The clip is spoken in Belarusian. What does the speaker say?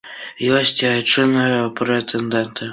Ёсць і айчынныя прэтэндэнты.